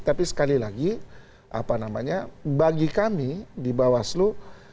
tapi sekali lagi apa namanya bagi kami di bawaslu